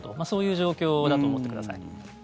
そういう状況だと思ってください。